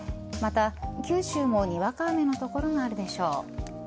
また九州もにわか雨の所があるでしょう。